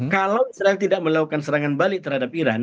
kalau israel tidak melakukan serangan balik terhadap iran